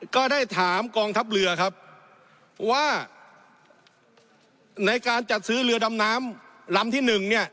ก็ได้ถามกองทัพเรือครับว่าในการจัดซื้อเรือดำน้ำลำที่หนึ่งเนี่ย